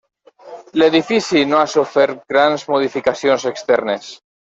L'edifici no ha sofert grans modificacions externes.